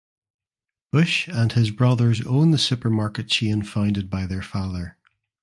Busch and his brothers own the supermarket chain founded by their father.